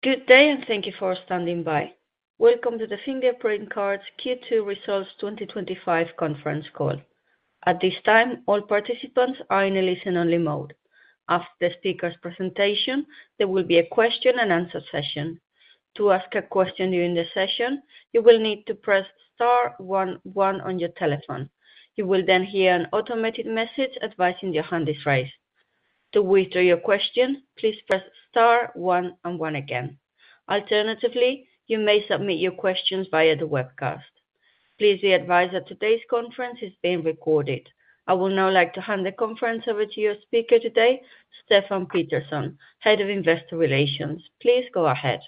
Good day and thank you for standing by. Welcome to the Fingerprint Cards Q2 Results 2025 Conference Call. At this time, all participants are in a listen-only mode. After the speaker's presentation, there will be a question and answer session. To ask a question during the session, you will need to press star one one on your telephone. You will then hear an automated message advising your hand is raised. To withdraw your question, please press star one and one again. Alternatively, you may submit your questions via the webcast. Please be advised that today's conference is being recorded. I would now like to hand the conference over to your speaker today, Stefan Pettersson, Head of Investor Relations. Please go ahead.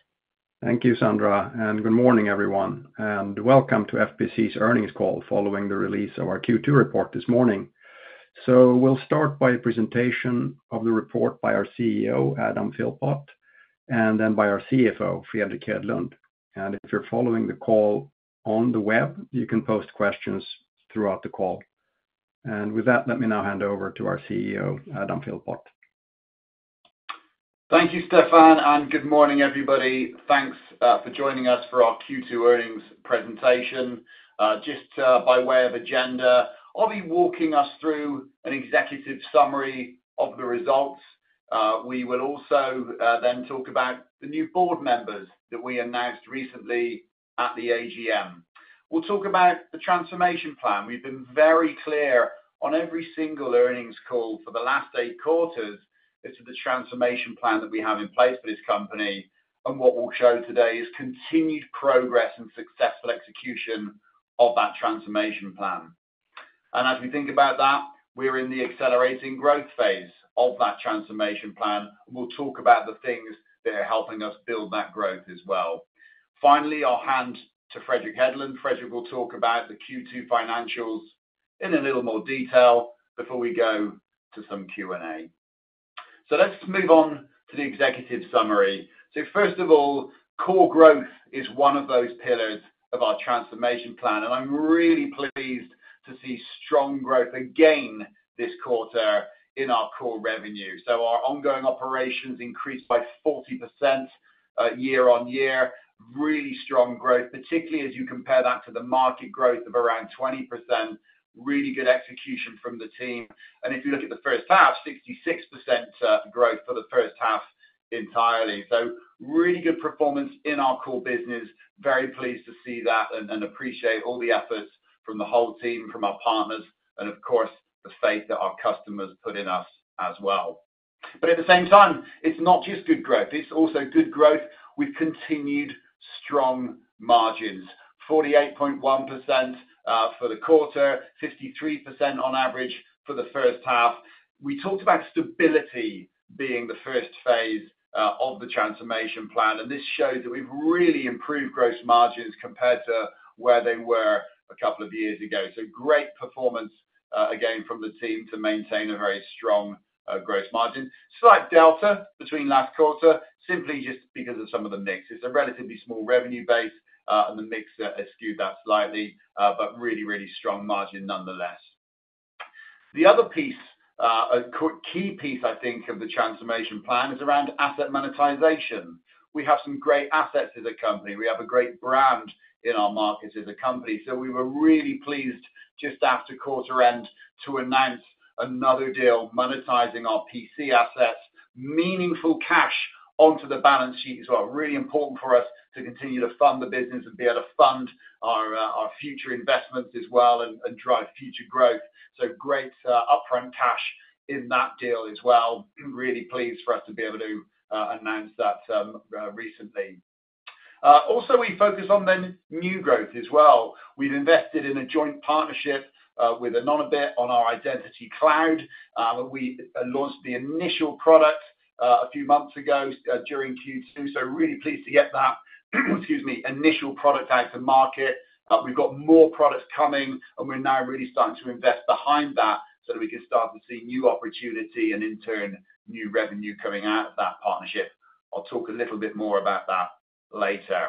Thank you, Sandra, and good morning, everyone, and welcome to FPC's Earnings Call following the release of our Q2 report this morning. We will start with a presentation of the report by our CEO, Adam Philpott, and then by our CFO, Fredrik Hedlund. If you're following the call on the web, you can post questions throughout the call. With that, let me now hand over to our CEO, Adam Philpott. Thank you, Stefan, and good morning, everybody. Thanks for joining us for our Q2 earnings presentation. Just by way of agenda, I'll be walking us through an executive summary of the results. We will also then talk about the new board members that we announced recently at the AGM. We'll talk about the transformation plan. We've been very clear on every single earnings call for the last eight quarters. This is the transformation plan that we have in place for this company, and what we'll show today is continued progress and successful execution of that transformation plan. As we think about that, we're in the accelerating growth phase of that transformation plan, and we'll talk about the things that are helping us build that growth as well. Finally, I'll hand to Fredrik Hedlund. Fredrik will talk about the Q2 financials in a little more detail before we go to some Q&A. Let's move on to the executive summary. First of all, core growth is one of those pillars of our transformation plan, and I'm really pleased to see strong growth again this quarter in our core revenue. Our ongoing operations increased by 40% year-on-year, really strong growth, particularly as you compare that to the market growth of around 20%. Really good execution from the team. If you look at the first half, 66% growth for the first half entirely. Really good performance in our core business. Very pleased to see that and appreciate all the efforts from the whole team, from our partners, and of course, the faith that our customers put in us as well. At the same time, it's not just good growth. It's also good growth with continued strong margins. 48.1% for the quarter, 53% on average for the first half. We talked about stability being the first phase of the transformation plan, and this shows that we've really improved gross margins compared to where they were a couple of years ago. Great performance again from the team to maintain a very strong gross margin. Slight delta between last quarter, simply just because of some of the mix. It's a relatively small revenue base, and the mix has skewed that slightly, but really, really strong margin nonetheless. The other piece, a key piece, I think, of the transformation plan is around asset monetization. We have some great assets as a company. We have a great brand in our markets as a company. We were really pleased just after quarter end to announce another deal monetizing our PC assets, meaningful cash onto the balance sheet as well. It is really important for us to continue to fund the business and be able to fund our future investments as well and drive future growth. Great upfront cash in that deal as well. Really pleased for us to be able to announce that recently. Also, we focus on new growth as well. We've invested in a joint partnership with Anonybit on our identity cloud. We launched the initial product a few months ago during Q2, so really pleased to get that, excuse me, initial product out to market. We've got more products coming, and we're now really starting to invest behind that so that we can start to see new opportunity and in turn new revenue coming out of that partnership. I'll talk a little bit more about that later.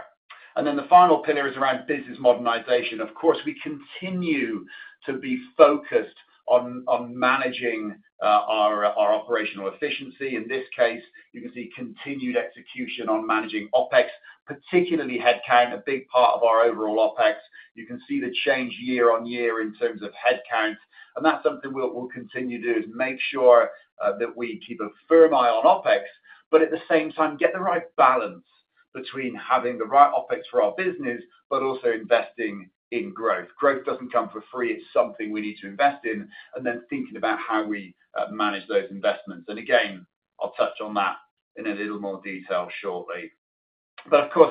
The final pillar is around business modernization. Of course, we continue to be focused on managing our operational efficiency. In this case, you can see continued execution on managing OpEx, particularly headcount, a big part of our overall OpEx. You can see the change year on year in terms of headcount. That's something we'll continue to do, is make sure that we keep a firm eye on OpEx, but at the same time get the right balance between having the right OpEx for our business, but also investing in growth. Growth doesn't come for free. It's something we need to invest in, and then thinking about how we manage those investments. Again, I'll touch on that in a little more detail shortly.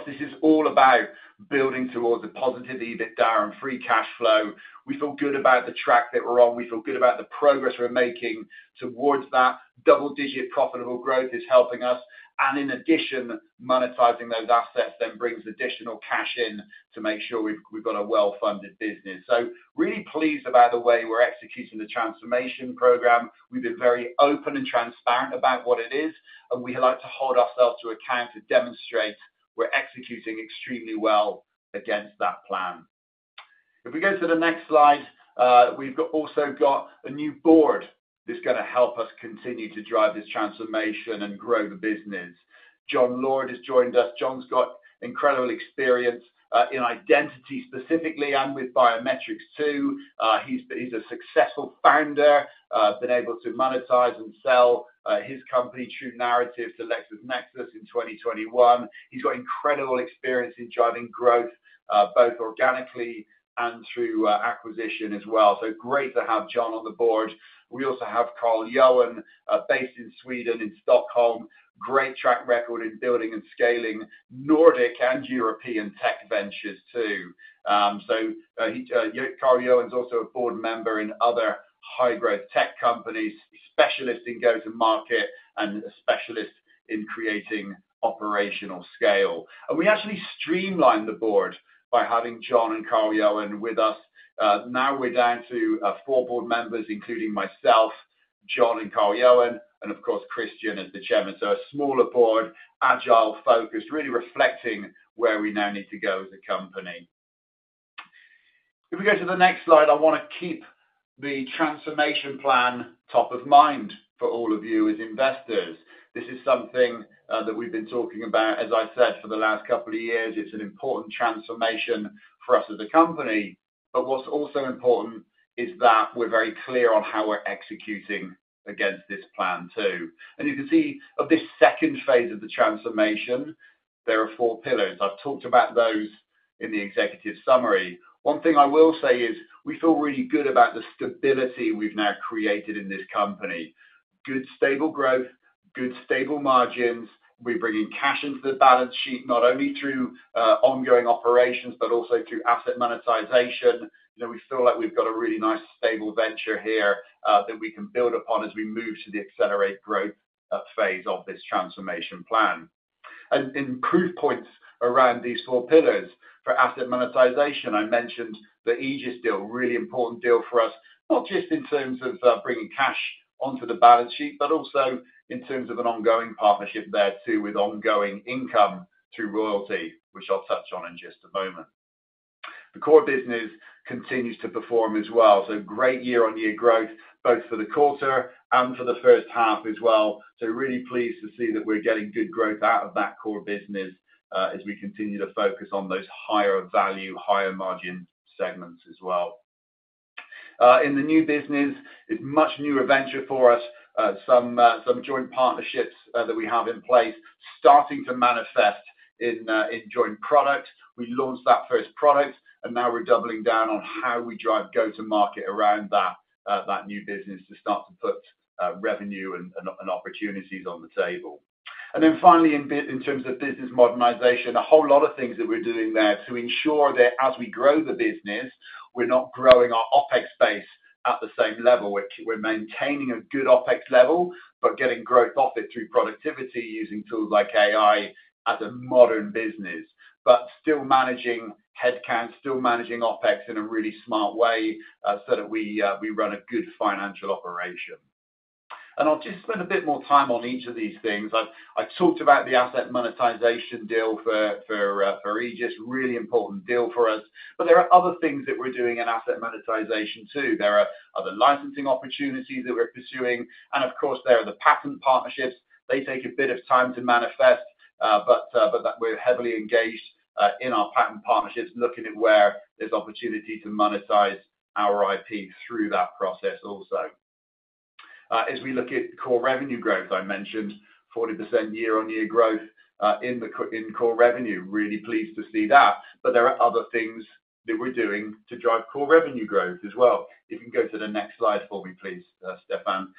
This is all about building toward the positive EBITDA and free cash flow. We feel good about the track that we're on. We feel good about the progress we're making towards that double-digit profitable growth is helping us. In addition, monetizing those assets then brings additional cash in to make sure we've got a well-funded business. Really pleased about the way we're executing the transformation program. We've been very open and transparent about what it is, and we like to hold ourselves to account to demonstrate we're executing extremely well against that plan. If we go to the next slide, we've also got a new board that's going to help us continue to drive this transformation and grow the business. John Lord has joined us. John's got incredible experience in identity specifically and with biometrics too. He's a successful founder, been able to monetize and sell his company, True Narrative, to LexisNexis in 2021. He's got incredible experience driving growth both organically and through acquisition as well. Great to have John on the board. We also have Carl Johan based in Sweden in Stockholm. Great track record in building and scaling Nordic and European tech ventures too. Carl Johan is also a board member in other high-growth tech companies, specialist in go-to-market and a specialist in creating operational scale. We actually streamlined the board by having John and Carl Johan with us. Now we're down to four board members, including myself, John, and Carl Johan, and of course Christian as the Chairman. A smaller board, agile focus, really reflecting where we now need to go as a company. If we go to the next slide, I want to keep the transformation plan top of mind for all of you as investors. This is something that we've been talking about, as I said, for the last couple of years. It's an important transformation for us as a company, but what's also important is that we're very clear on how we're executing against this plan too. You can see of this second phase of the transformation, there are four pillars. I've talked about those in the executive summary. One thing I will say is we feel really good about the stability we've now created in this company. Good, stable growth, good, stable margins. We're bringing cash into the balance sheet, not only through ongoing operations but also through asset monetization. We feel like we've got a really nice stable venture here that we can build upon as we move to the accelerated growth phase of this transformation plan. In proof points around these four pillars for asset monetization, I mentioned the Egis deal, really important deal for us, not just in terms of bringing cash onto the balance sheet but also in terms of an ongoing partnership there too with ongoing income through royalty, which I'll touch on in just a moment. The core business continues to perform as well. Great year-on-year growth both for the quarter and for the first half as well. Really pleased to see that we're getting good growth out of that core business as we continue to focus on those higher value, higher margin segments as well. In the new business, it's a much newer venture for us. Some joint partnerships that we have in place are starting to manifest in joint product. We launched that first product, and now we're doubling down on how we drive go-to-market around that new business to start to put revenue and opportunities on the table. Finally, in terms of business modernization, a whole lot of things that we're doing there to ensure that as we grow the business, we're not growing our OpEx base at the same level. We're maintaining a good OpEx level but getting growth off it through productivity using tools like AI as a modern business, but still managing headcount, still managing OpEx in a really smart way so that we run a good financial operation. I'll just spend a bit more time on each of these things. I've talked about the asset monetization deal for Egis, really important deal for us. There are other things that we're doing in asset monetization too. There are other licensing opportunities that we're pursuing, and of course, there are the patent partnerships. They take a bit of time to manifest, but we're heavily engaged in our patent partnerships, looking at where there's opportunity to monetize our IP through that process also. As we look at the core revenue growth, I mentioned 40% year-on-year growth in core revenue. Really pleased to see that. There are other things that we're doing to drive core revenue growth as well. If you can go to the next slide for me, please, Stefan.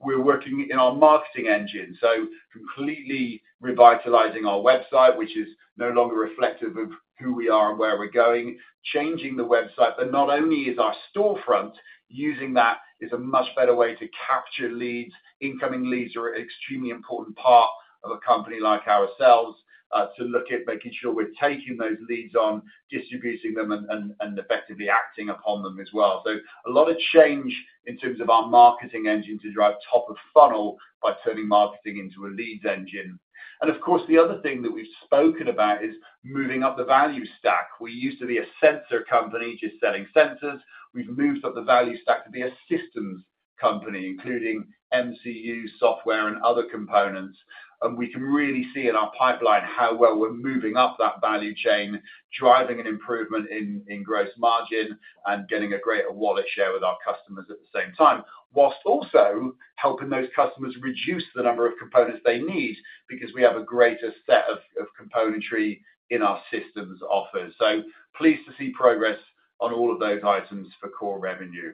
We're working in our marketing engine, so completely revitalizing our website, which is no longer reflective of who we are and where we're going, changing the website. Not only is our storefront using that, it's a much better way to capture leads, incoming leads, your extremely important part of a company like ourselves to look at making sure we're taking those leads on, distributing them, and effectively acting upon them as well. A lot of change in terms of our marketing engine to drive top of funnel by turning marketing into a leads engine. The other thing that we've spoken about is moving up the value stack. We used to be a sensor company just selling sensors. We've moved up the value stack to be a systems company, including MCU software and other components. We can really see in our pipeline how well we're moving up that value chain, driving an improvement in gross margin and getting a greater wallet share with our customers at the same time, whilst also helping those customers reduce the number of components they need because we have a greater set of componentry in our systems offers. Pleased to see progress on all of those items for core revenue.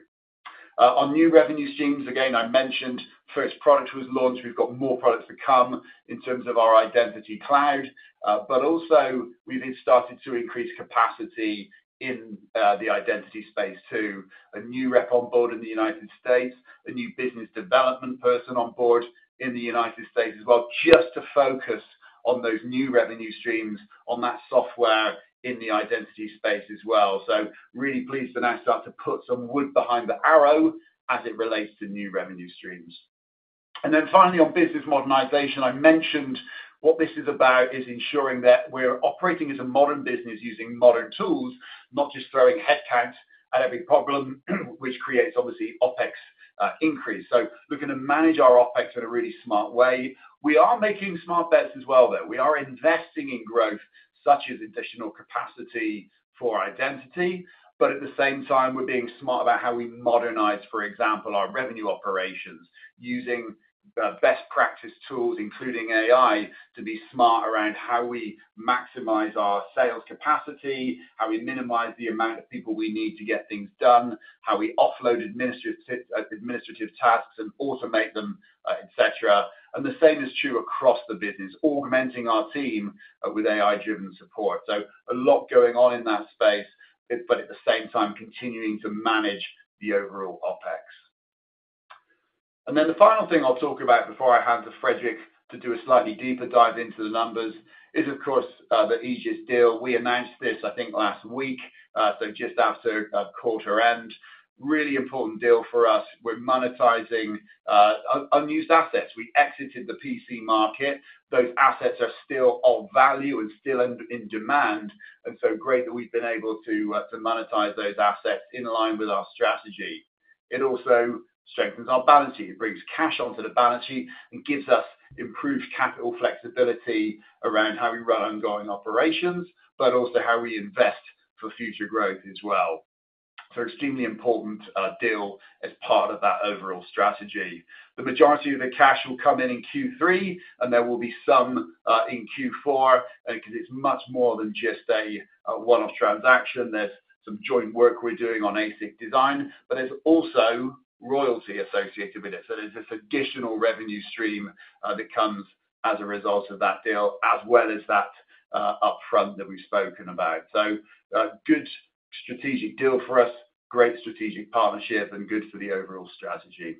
On new revenue streams, again, I mentioned the first product was launched. We've got more products to come in terms of our identity cloud, but also we've started to increase capacity in the identity space too. A new rep on board in the U.S., a new business development person on board in the U.S. as well, just to focus on those new revenue streams, on that software in the identity space as well. Really pleased to now start to put some wood behind the arrow as it relates to new revenue streams. Finally, on business modernization, I mentioned what this is about is ensuring that we're operating as a modern business using modern tools, not just throwing headcount at every problem, which creates obviously OpEx increase. We're going to manage our OpEx in a really smart way. We are making smart bets as well, though. We are investing in growth, such as additional capacity for identity, but at the same time, we're being smart about how we modernize, for example, our revenue operations using best practice tools, including AI, to be smart around how we maximize our sales capacity, how we minimize the amount of people we need to get things done, how we offload administrative tasks and automate them, etc. The same is true across the business, augmenting our team with AI-driven support. A lot going on in that space, but at the same time, continuing to manage the overall OpEx. The final thing I'll talk about before I hand to Fredrik to do a slightly deeper dive into the numbers is, of course, the Egis deal. We announced this, I think, last week, just after quarter end. Really important deal for us. We're monetizing unused assets. We exited the PC market. Those assets are still of value and still in demand. Great that we've been able to monetize those assets in line with our strategy. It also strengthens our balance sheet. It brings cash onto the balance sheet and gives us improved capital flexibility around how we run ongoing operations, but also how we invest for future growth as well. Extremely important deal as part of that overall strategy. The majority of the cash will come in in Q3, and there will be some in Q4 because it's much more than just a one-off transaction. There's some joint work we're doing on ASIC design, but there's also royalty associated with it. There is this additional revenue stream that comes as a result of that deal, as well as that upfront that we've spoken about. A good strategic deal for us, great strategic partnership, and good for the overall strategy.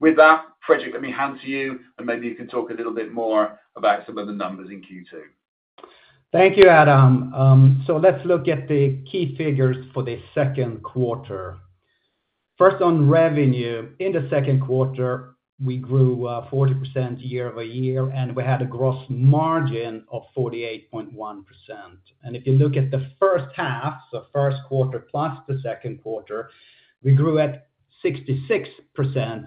With that, Fredrik, let me hand to you, and maybe you can talk a little bit more about some of the numbers in Q2. Thank you, Adam. Let's look at the key figures for the second quarter. First, on revenue, in the second quarter, we grew 40% year-over-year, and we had a gross margin of 48.1%. If you look at the first half, so first quarter plus the second quarter, we grew at 66%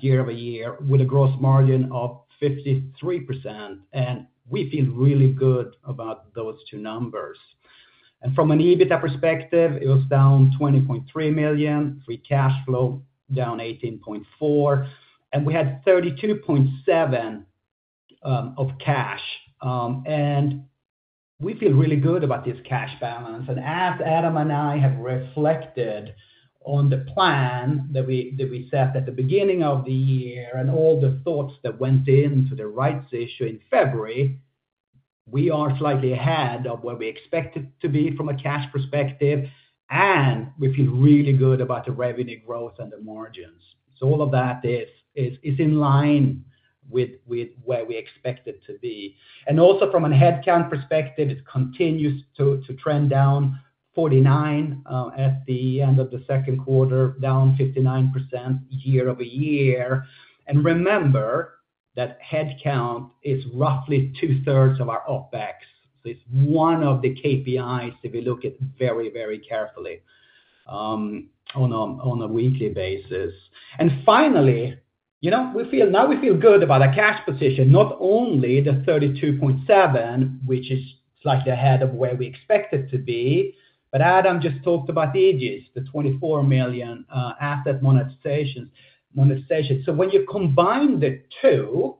year-over-year with a gross margin of 53%. We feel really good about those two numbers. From an EBITDA perspective, it was down $20.3 million, free cash flow down 18.4%, and we had 32.7% of cash. We feel really good about this cash balance. As Adam and I have reflected on the plan that we set at the beginning of the year and all the thoughts that went into the rights issue in February, we are slightly ahead of where we expected to be from a cash perspective, and we feel really good about the revenue growth and the margins. All of that is in line with where we expect it to be. Also, from a headcount perspective, it continues to trend down 49% at the end of the second quarter, down 59% year-over-year. Remember that headcount is roughly two-thirds of our OpEx. It's one of the KPIs that we look at very, very carefully on a weekly basis. Finally, we feel now we feel good about our cash position, not only the 32.7%, which is slightly ahead of where we expect it to be, but Adam just talked about Egis, the $24 million asset monetization. When you combine the two,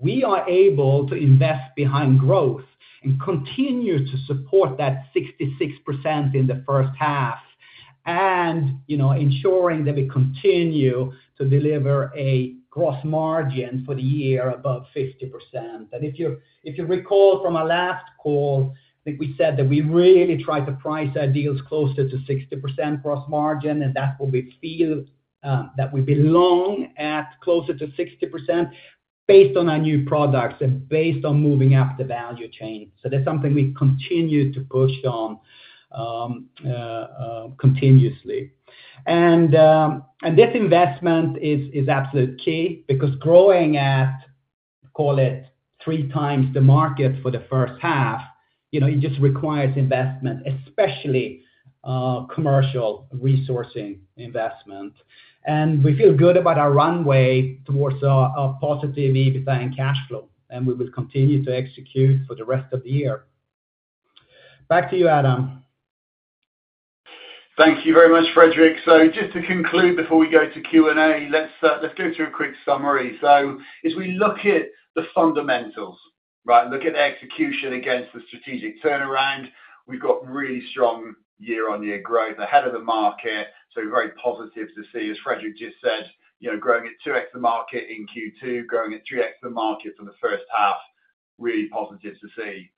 we are able to invest behind growth and continue to support that 66% in the first half and ensuring that we continue to deliver a gross margin for the year above 50%. If you recall from our last call, I think we said that we really tried to price our deals closer to 60% gross margin, and that's what we feel that we belong at, closer to 60% based on our new products and based on moving up the value chain. That's something we continue to push on continuously. This investment is absolutely key because growing at, call it, three times the market for the first half, it just requires investment, especially commercial resourcing investment. We feel good about our runway towards a positive EBITDA and cash flow, and we will continue to execute for the rest of the year. Back to you, Adam. Thank you very much, Fredrik. Just to conclude before we go to Q&A, let's go through a quick summary. As we look at the fundamentals, right, look at execution against the strategic turnaround, we've got really strong year-on-year growth ahead of the market. Very positive to see, as Fredrik just said, you know, growing at 2x the market in Q2, growing at 3x the market for the first half, really positive to see.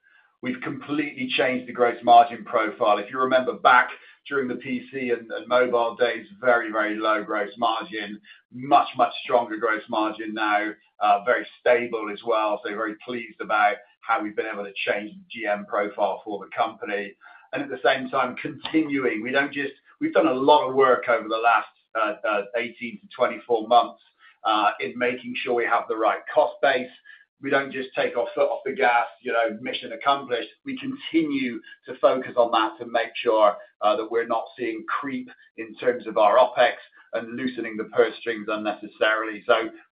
We've completely changed the gross margin profile. If you remember back during the PC and mobile days, very, very low gross margin, much, much stronger gross margin now, very stable as well. Very pleased about how we've been able to change the GM profile for the company. At the same time, continuing, we've done a lot of work over the last 18 months-24 months in making sure we have the right cost base. We don't just take our foot off the gas, you know, mission accomplished. We continue to focus on that to make sure that we're not seeing creep in terms of our OpEx and loosening the purse strings unnecessarily.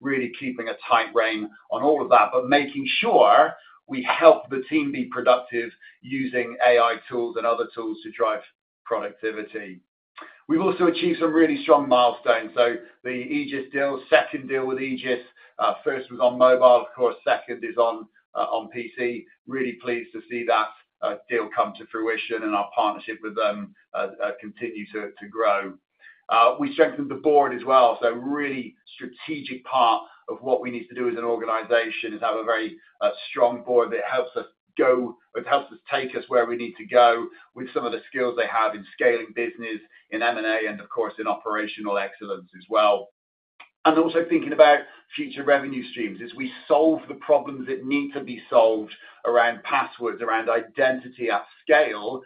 Really keeping a tight rein on all of that, but making sure we help the team be productive using AI tools and other tools to drive productivity. We've also achieved some really strong milestones. The Egis deal, second deal with Egis, first was on mobile, of course, second is on PC. Really pleased to see that deal come to fruition and our partnership with them continue to grow. We strengthened the board as well. A really strategic part of what we need to do as an organization is have a very strong board that helps us go, it helps us take us where we need to go with some of the skills they have in scaling business, in M&A, and of course, in operational excellence as well. Also thinking about future revenue streams. As we solve the problems that need to be solved around passwords, around identity at scale,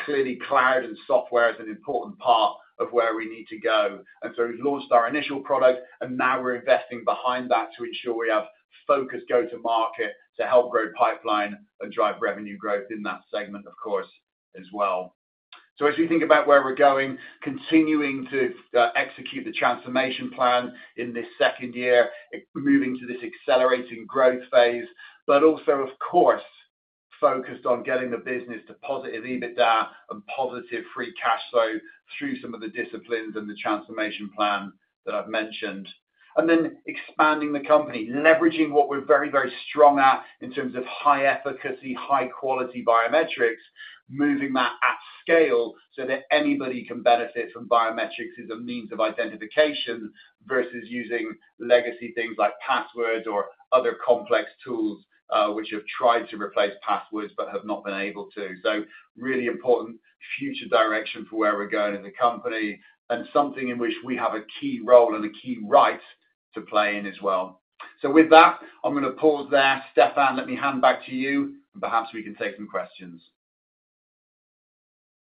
clearly cloud and software is an important part of where we need to go. We launched our initial product, and now we're investing behind that to ensure we have focused go-to-market to help grow pipeline and drive revenue growth in that segment, of course, as well. As we think about where we're going, continuing to execute the transformation plan in this second year, moving to this accelerating growth phase, also, of course, focused on getting the business to positive EBITDA and positive free cash flow through some of the disciplines and the transformation plan that I've mentioned. Expanding the company, leveraging what we're very, very strong at in terms of high efficacy, high quality biometrics, moving that at scale so that anybody can benefit from biometrics as a means of identification versus using legacy things like passwords or other complex tools which have tried to replace passwords but have not been able to, is a really important future direction for where we're going in the company and something in which we have a key role and a key right to play in as well. With that, I'm going to pause there. Stefan, let me hand back to you. Perhaps we can take some questions.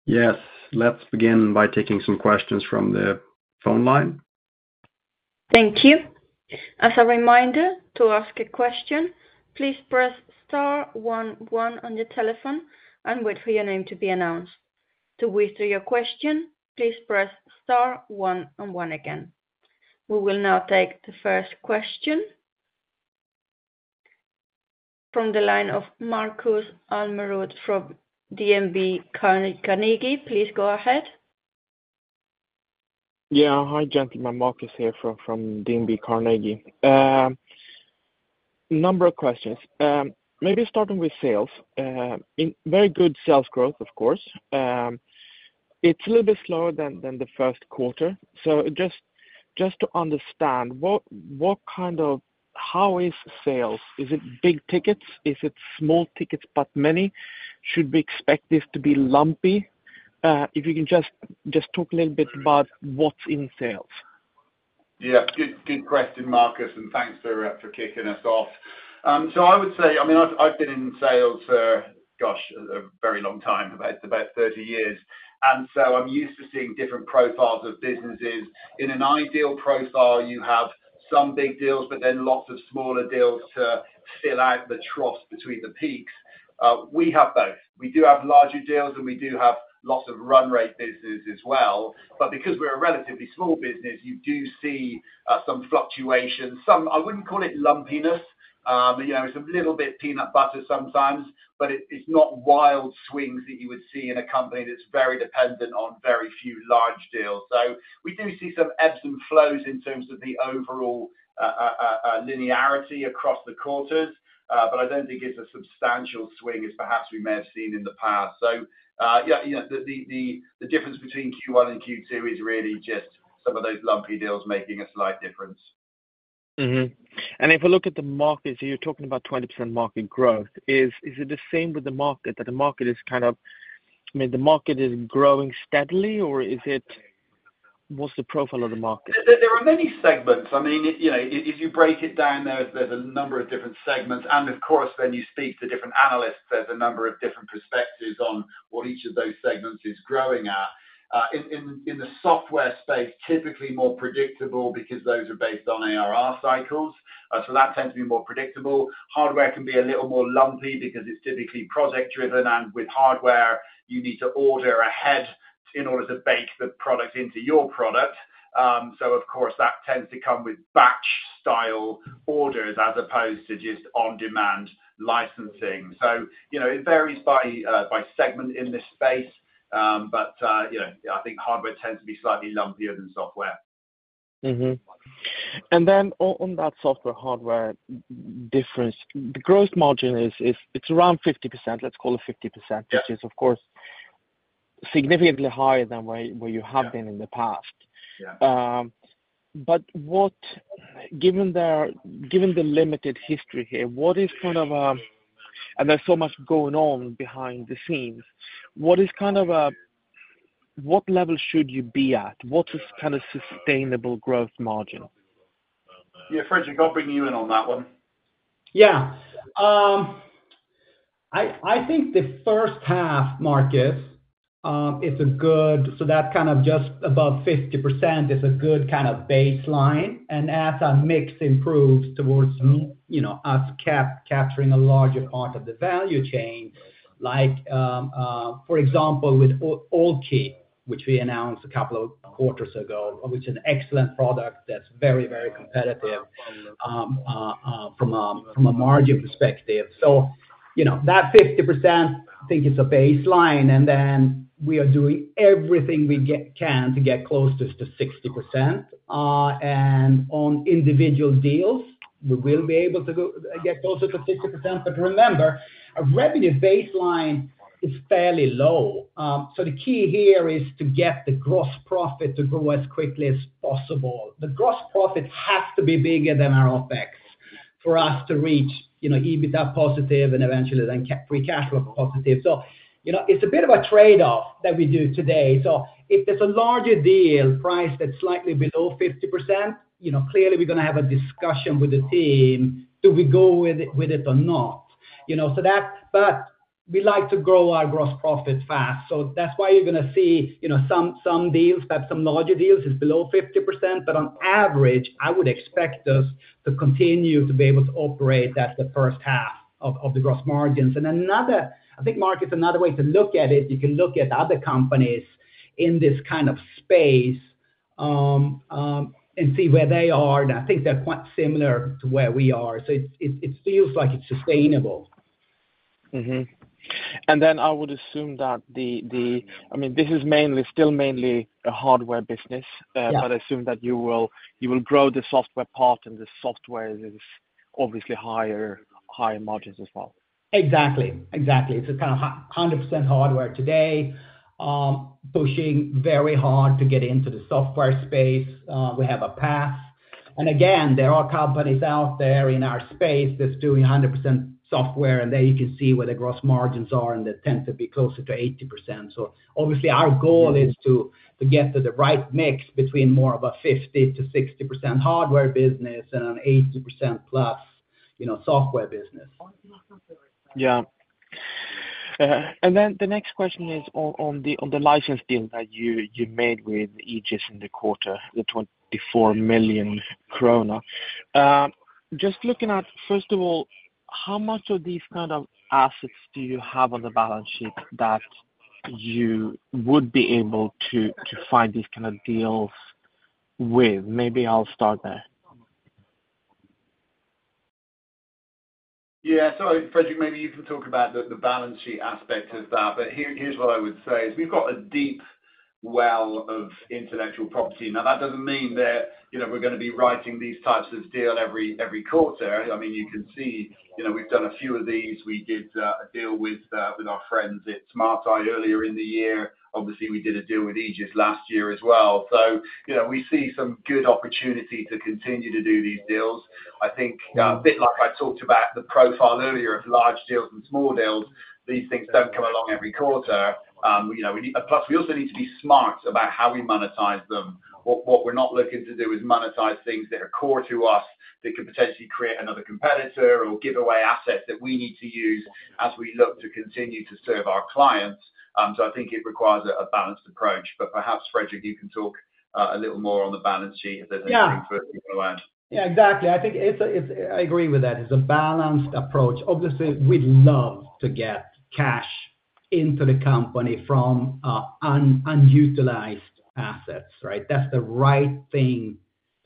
Yes, let's begin by taking some questions from the phone line. Thank you. As a reminder, to ask a question, please press star one one on your telephone and wait for your name to be announced. To withdraw your question, please press star one and one again. We will now take the first question from the line of Markus Almerud from DNB Carnegie. Please go ahead. Yeah, hi gentlemen. Markus here from DNB Carnegie. A number of questions. Maybe starting with sales. Very good sales growth, of course. It's a little bit slower than the first quarter. Just to understand what kind of, how is sales? Is it big tickets? Is it small tickets but many? Should we expect this to be lumpy? If you can just talk a little bit about what's in sales. Yeah, good question, Markus, and thanks for kicking us off. I would say, I mean, I've been in sales for, gosh, a very long time, about 30 years. I'm used to seeing different profiles of businesses. In an ideal profile, you have some big deals, but then lots of smaller deals to fill out the trough between the peaks. We have both. We do have larger deals and we do have lots of run-rate businesses as well. Because we're a relatively small business, you do see some fluctuations. I wouldn't call it lumpiness. You know, it's a little bit peanut butter sometimes, but it's not wild swings that you would see in a company that's very dependent on very few large deals. We do see some ebbs and flows in terms of the overall linearity across the quarters, but I don't think it's a substantial swing as perhaps we may have seen in the past. The difference between Q1 and Q2 is really just some of those lumpy deals making a slight difference. If we look at the market, you're talking about 20% market growth. Is it the same with the market, that the market is kind of, I mean, the market is growing steadily, or is it, what's the profile of the market? There are many segments. If you break it down, there's a number of different segments. Of course, when you speak to different analysts, there's a number of different perspectives on what each of those segments is growing at. In the software space, typically more predictable because those are based on ARR cycles. That tends to be more predictable. Hardware can be a little more lumpy because it's typically product-driven, and with hardware, you need to order ahead in order to bake the product into your product. That tends to come with batch style orders as opposed to just on-demand licensing. It varies by segment in this space, but I think hardware tends to be slightly lumpier than software. On that software-hardware difference, the gross margin is around 50%. Let's call it 50%, which is, of course, significantly higher than where you have been in the past. Given the limited history here, what is kind of a, and there's so much going on behind the scenes, what is kind of a, what level should you be at? What is kind of sustainable gross margin? Yeah, Fredrik, I'll bring you in on that one. Yeah, I think the first half market is good, so that kind of just above 50% is a good kind of baseline. As our mix improves towards us capturing a larger part of the value chain, like for example, with AllKey, which we announced a couple of quarters ago, which is an excellent product that's very, very competitive from a margin perspective. That 50%, I think it's a baseline. We are doing everything we can to get closest to 60%. On individual deals, we will be able to get closer to 60%. Remember, our revenue baseline is fairly low. The key here is to get the gross profit to grow as quickly as possible. The gross profit has to be bigger than our OpEx for us to reach EBITDA positive and eventually then free cash flow positive. It's a bit of a trade-off that we do today. If there's a larger deal price that's slightly below 50%, clearly we're going to have a discussion with the team. Do we go with it or not? We like to grow our gross profits fast. That's why you're going to see some deals, perhaps some larger deals, below 50%. On average, I would expect us to continue to be able to operate at the first half of the gross margins. Another, I think markets are another way to look at it. You can look at other companies in this kind of space and see where they are. I think they're quite similar to where we are. It feels like it's sustainable. I would assume that this is mainly still mainly a hardware business, but I assume that you will grow the software part and the software is obviously higher margins as well. Exactly, exactly. It's a kind of 100% hardware today, pushing very hard to get into the software space. We have a path. There are companies out there in our space that's doing 100% software, and there you can see where the gross margins are, and they tend to be closer to 80%. Obviously, our goal is to get to the right mix between more of a 50% to 60% hardware business and an 80%+ software business. The next question is on the license deal that you made with Egis in the quarter, the 24 million krona. Just looking at, first of all, how much of these kind of assets do you have on the balance sheet that you would be able to find these kind of deals with? Maybe I'll start there. Yeah, sorry, Fredrik, maybe you can talk about the balance sheet aspect of that. Here's what I would say is we've got a deep well of intellectual property. That doesn't mean that, you know, we're going to be writing these types of deals every quarter. I mean, you can see, you know, we've done a few of these. We did a deal with our friends at Smart Eye earlier in the year. Obviously, we did a deal with Egis last year as well. You know, we see some good opportunity to continue to do these deals. I think a bit like I talked about the profile earlier of large deals and small deals, these things don't come along every quarter. Plus, we also need to be smart about how we monetize them. What we're not looking to do is monetize things that are core to us that could potentially create another competitor or give away assets that we need to use as we look to continue to serve our clients. I think it requires a balanced approach. Perhaps, Fredrik, you can talk a little more on the balance sheet if there's anything for you to add. Yeah, exactly. I think I agree with that. It's a balanced approach. Obviously, we'd love to get cash into the company from unutilized assets, right? That's the right thing,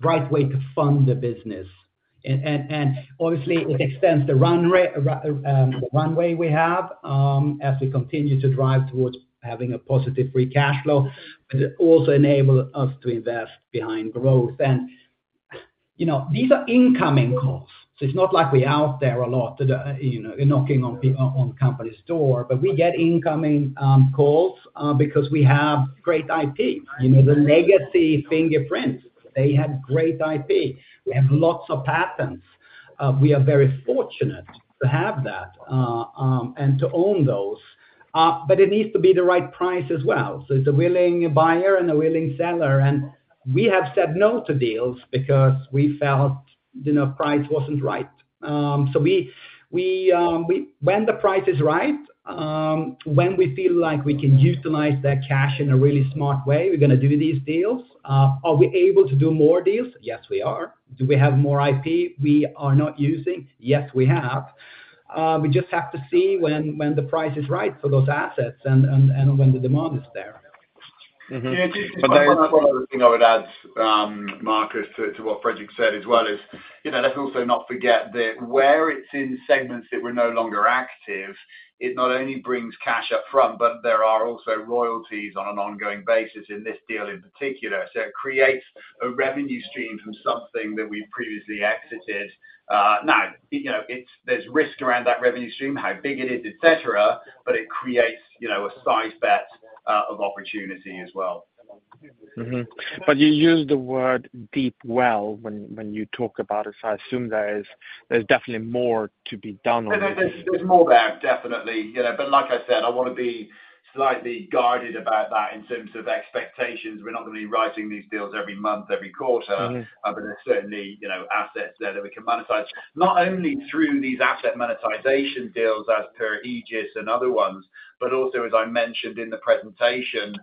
right way to fund the business. Obviously, it extends the runway we have as we continue to drive towards having a positive free cash flow. It also enables us to invest behind growth. You know, these are incoming calls. It's not like we're out there a lot, knocking on companies' doors, but we get incoming calls because we have great IP. The legacy fingerprints, they have great IP. We have lots of patents. We are very fortunate to have that and to own those. It needs to be the right price as well. It's a willing buyer and a willing seller. We have said no to deals because we felt the price wasn't right. When the price is right, when we feel like we can utilize that cash in a really smart way, we're going to do these deals. Are we able to do more deals? Yes, we are. Do we have more IP we are not using? Yes, we have. We just have to see when the price is right for those assets and when the demand is there. Yeah, just one other thing I would add, Markus, to what Fredrik said as well is, you know, let's also not forget that where it's in segments that we're no longer active, it not only brings cash upfront, but there are also royalties on an ongoing basis in this deal in particular. It creates a revenue stream from something that we previously exited. Now, you know, there's risk around that revenue stream, how big it is, etc., but it creates, you know, a side bet of opportunity as well. You use the word deep well when you talk about it. I assume there's definitely more to be done on that. There's more there, definitely. Like I said, I want to be slightly guarded about that in terms of expectations. We're not going to be writing these deals every month, every quarter, but there's certainly assets there that we can monetize, not only through these asset monetization deals as per Egis and other ones, but also, as I mentioned in the presentation,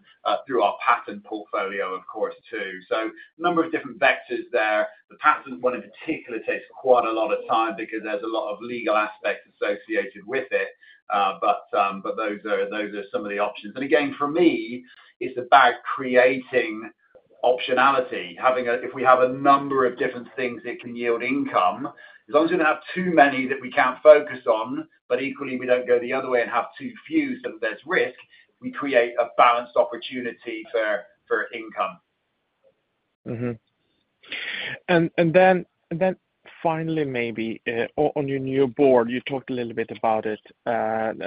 through our patent portfolio, of course, too. A number of different vectors there. The patent one in particular takes quite a lot of time because there's a lot of legal aspects associated with it. Those are some of the options. Again, for me, it's about creating optionality. If we have a number of different things that can yield income, as long as we don't have too many that we can't focus on, but equally we don't go the other way and have too few so that there's risk, we create a balanced opportunity for income. Finally, maybe on your new board, you talked a little bit about it.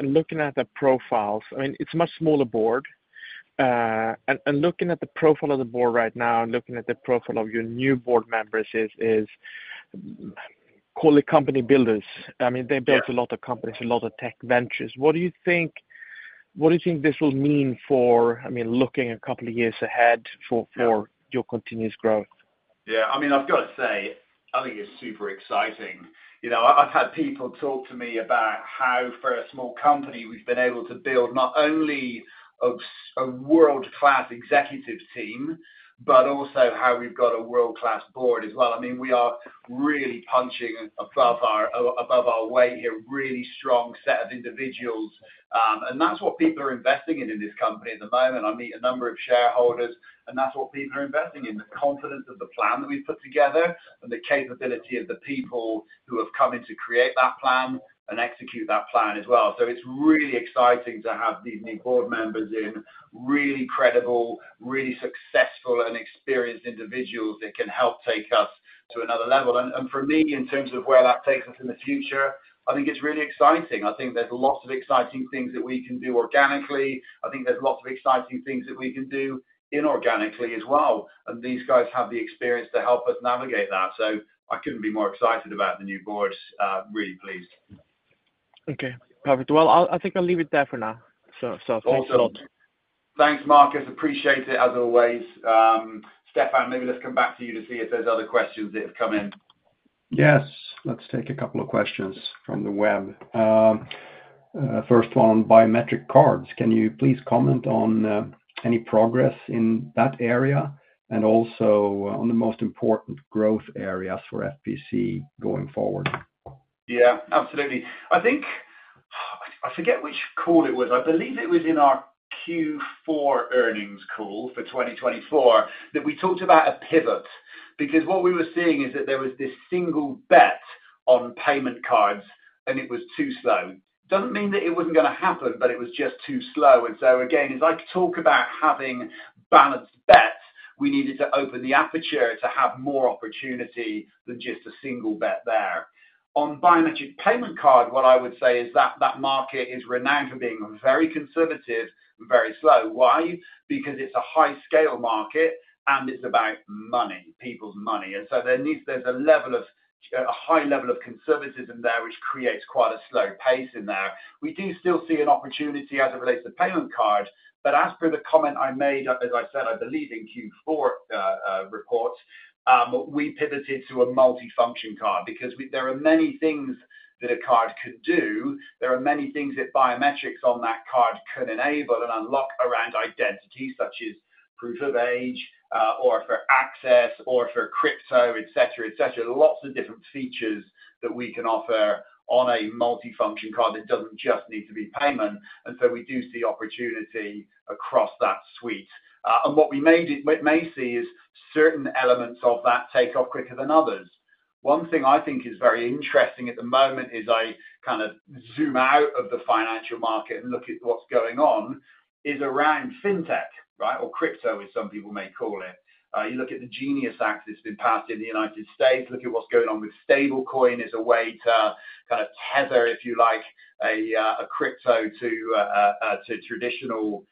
Looking at the profiles, it's a much smaller board. Looking at the profile of the board right now and looking at the profile of your new board members is, call it company builders. They built a lot of companies, a lot of tech ventures. What do you think this will mean for, looking a couple of years ahead, your continuous growth? Yeah, I mean, I've got to say, Ali is super exciting. I've had people talk to me about how for a small company we've been able to build not only a world-class executive team, but also how we've got a world-class board as well. We are really punching above our weight here, really strong set of individuals. That's what people are investing in in this company at the moment. I meet a number of shareholders, and that's what people are investing in, the confidence of the plan that we've put together and the capability of the people who have come in to create that plan and execute that plan as well. It's really exciting to have these new board members in, really credible, really successful and experienced individuals that can help take us to another level. For me, in terms of where that takes us in the future, I think it's really exciting. I think there's lots of exciting things that we can do organically. I think there's lots of exciting things that we can do inorganically as well. These guys have the experience to help us navigate that. I couldn't be more excited about the new boards, really pleased. Okay, perfect. I think I'll leave it there for now. Thanks a lot. Thanks, Markus. Appreciate it as always. Stefan, maybe let's come back to you to see if there's other questions that have come in. Yes, let's take a couple of questions from the web. First one, biometric payment cards. Can you please comment on any progress in that area and also on the most important growth areas for FPC going forward? Yeah, absolutely. I think I forget which call it was. I believe it was in our Q4 earnings call for 2024 that we talked about a pivot because what we were seeing is that there was this single bet on payment cards and it was too slow. It does not mean that it was not going to happen, but it was just too slow. As I talk about having balanced bets, we needed to open the aperture to have more opportunity than just a single bet there. On biometric payment cards, what I would say is that that market is renowned for being very conservative and very slow. Why? Because it is a high-scale market and it is about money, people's money. There is a high level of conservatism there which creates quite a slow pace in there. We do still see an opportunity as it relates to payment cards, but as per the comment I made, as I have said, I believe in Q4 reports, we pivoted to a multifunction card because there are many things that a card could do. There are many things that biometrics on that card can enable and unlock around identity such as proof of age or for access or for crypto, etc., etc. Lots of different features that we can offer on a multifunction card that does not just need to be payment. We do see opportunity across that suite. What we may see is certain elements of that take off quicker than others. One thing I think is very interesting at the moment as I kind of zoom out of the financial market and look at what is going on is around fintech, or crypto as some people may call it. You look at the Genius Act that has been passed in the U.S. Look at what is going on with stablecoin as a way to tether, if you like, a crypto to traditional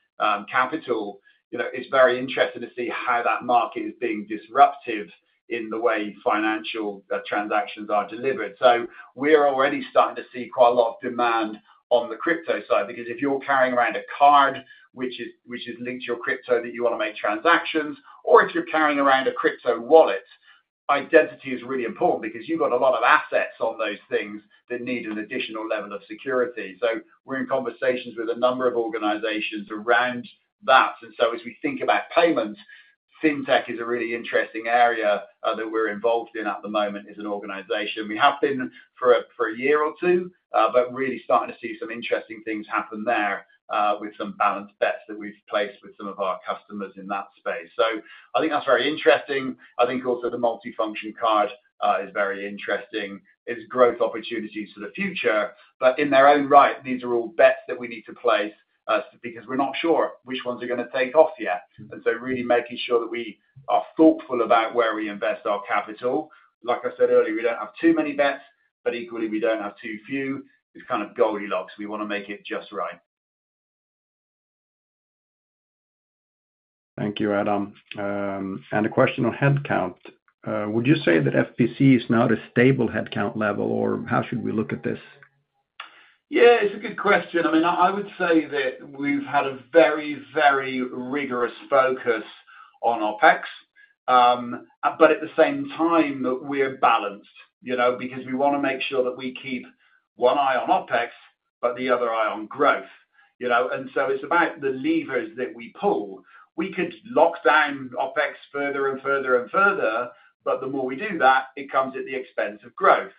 capital. It is very interesting to see how that market is being disruptive in the way financial transactions are delivered. We are already starting to see quite a lot of demand on the crypto side because if you are carrying around a card which is linked to your crypto that you want to make transactions, or if you are carrying around a crypto wallet, identity is really important because you have got a lot of assets on those things that need an additional level of security. We are in conversations with a number of organizations around that. As we think about payments, fintech is a really interesting area that we are involved in at the moment as an organization. We have been for a year or two, but really starting to see some interesting things happen there with some balanced bets that we've placed with some of our customers in that space. I think that's very interesting. I think also the multifunction card is very interesting as growth opportunities for the future. In their own right, these are all bets that we need to place because we're not sure which ones are going to take off yet. Really making sure that we are thoughtful about where we invest our capital. Like I said earlier, we don't have too many bets, but equally we don't have too few. It's kind of Goldilocks. We want to make it just right. Thank you, Adam. A question on headcount. Would you say that FPC is now at a stable headcount level, or how should we look at this? Yeah, it's a good question. I mean, I would say that we've had a very, very rigorous focus on OpEx, but at the same time, we are balanced, you know, because we want to make sure that we keep one eye on OpEx, but the other eye on growth. It's about the levers that we pull. We could lock down OpEx further and further and further, but the more we do that, it comes at the expense of growth.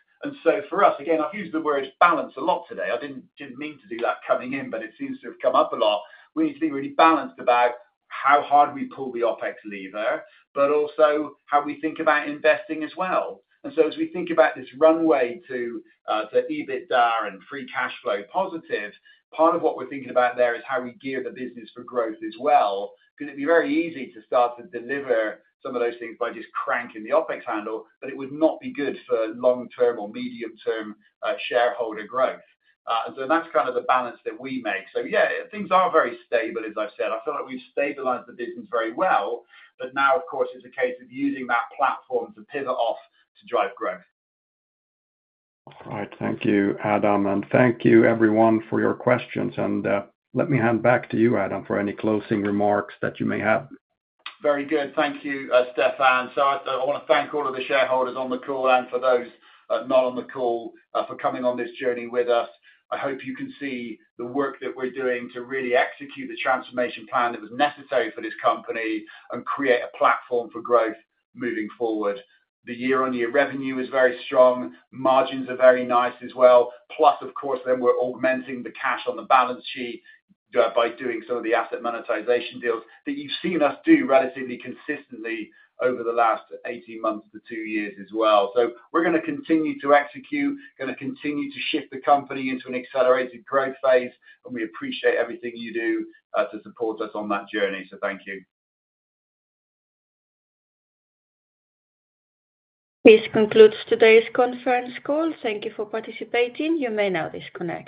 For us, again, I've used the word balance a lot today. I didn't mean to do that coming in, but it seems to have come up a lot. We need to be really balanced about how hard we pull the OpEx lever, but also how we think about investing as well. As we think about this runway to EBITDA and free cash flow positive, part of what we're thinking about there is how we gear the business for growth as well. It'd be very easy to start to deliver some of those things by just cranking the OpEx handle, but it would not be good for long-term or medium-term shareholder growth. That's kind of the balance that we make. Yeah, things are very stable, as I've said. I feel like we've stabilized the business very well, but now of course it's a case of using that platform to pivot off to drive growth. All right, thank you, Adam, and thank you everyone for your questions. Let me hand back to you, Adam, for any closing remarks that you may have. Very good. Thank you, Stefan. I want to thank all of the shareholders on the call and for those not on the call for coming on this journey with us. I hope you can see the work that we're doing to really execute the transformation plan that was necessary for this company and create a platform for growth moving forward. The year-on-year revenue is very strong. Margins are very nice as well. Plus, of course, we're augmenting the cash on the balance sheet by doing some of the asset monetization deals that you've seen us do relatively consistently over the last 18 months to two years as well. We're going to continue to execute, going to continue to shift the company into an accelerated growth phase, and we appreciate everything you do to support us on that journey. Thank you. This concludes today's conference call. Thank you for participating. You may now disconnect.